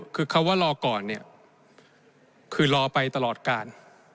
คือคำว่ารอก่อนเนี่ยคือรอไปตลอดการ